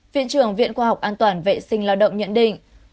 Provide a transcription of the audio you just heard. viện trưởng viện khoa học an toàn vệ sinh lao động nhận định